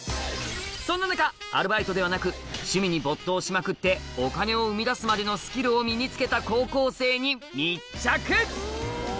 そんな中、アルバイトではなく、趣味に没頭しまくって、お金を生み出すまでのスキルを身につけた高校生に密着。